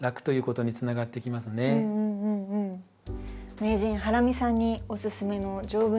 名人ハラミさんにおすすめの丈夫な子はいますか？